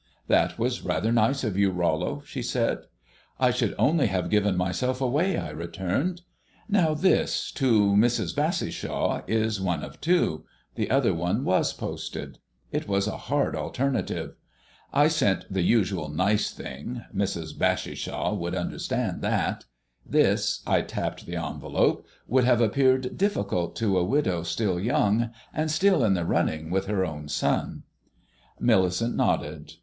"That was rather nice of you, Rollo," she said. "I should only have given myself away," I returned. "Now this, to Mrs. Bassishaw, is one of two the other one was posted. It was a hard alternative. I sent the usual nice thing; Mrs. Bassishaw would understand that. This" I tapped the envelope "would have appeared difficult to a widow still young, and still in the running with her own son." Millicent nodded.